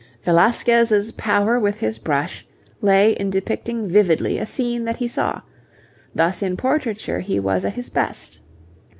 Velasquez's power with his brush lay in depicting vividly a scene that he saw; thus in portraiture he was at his best.